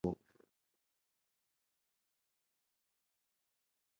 Taswira ya mhusika wa kike katika utafiti huu